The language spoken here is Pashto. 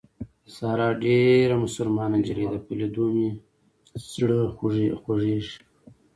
ساره ډېره مسلمان نجلۍ ده په لیدو مې یې زړه خوږېږي.